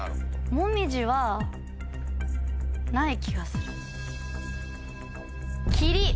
モミジはない気がする。